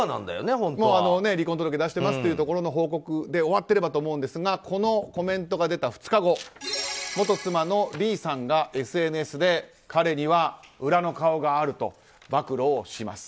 もう離婚届を出してますというところの報告で終わっていればと思うんですがこのコメントが出た２日後元妻のリーさんがＳＮＳで彼には裏の顔があると暴露をします。